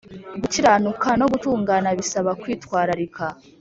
Gukiranuka no gutungana bisaba kwitwararika